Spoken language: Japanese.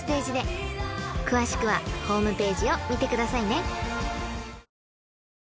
［詳しくはホームページを見てくださいね］